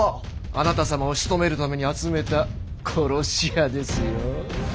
あなた様をしとめるために集めた殺し屋ですよ。